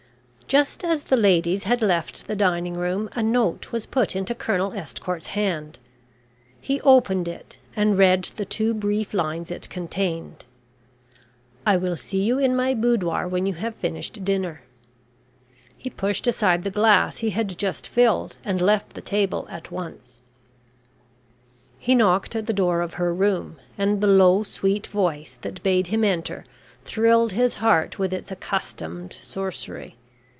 Just as the ladies had left the dining room, a note was put into Colonel Estcourt's hand. He opened it and read the two brief lines it contained. "I will see you in my boudoir when you have finished dinner." He pushed aside the glass he had just filled and left the table at once. He knocked at the door of her room, and the low, sweet voice that bade him enter, thrilled his heart with its accustomed sorcery.